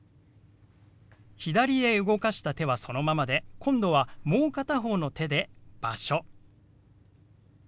左へ動かした手はそのままで今度はもう片方の手で「場所」。